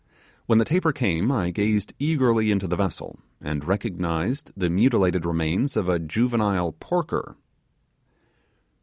When the taper came, I gazed eagerly into the vessel, and recognized the mutilated remains of a juvenile porker!